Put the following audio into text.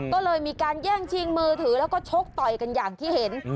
ก็เลยมีการแย่งชิงมือถือแล้วก็ชกต่อยกันอย่างที่เห็น